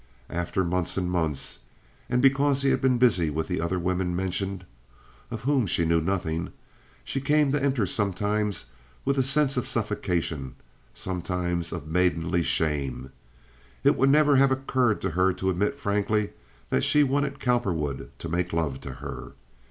After months and months, and because he had been busy with the other woman mentioned, of whom she knew nothing, she came to enter sometimes with a sense of suffocation, sometimes of maidenly shame. It would never have occurred to her to admit frankly that she wanted Cowperwood to make love to her.